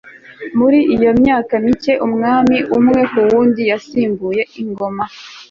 muri iyo myaka mike, umwami umwe ku wundi yasimbuye ingoma